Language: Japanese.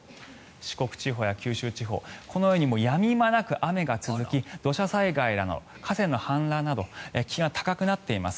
四国地方や九州地方このようにやみ間なく雨が続き土砂災害など、河川の氾濫など危険が高まっています。